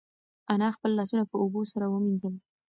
انا خپل لاسونه په اوبو سره ومینځل.